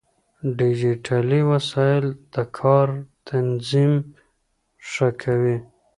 ډيجيټلي وسايل د کار تنظيم ښه کوي.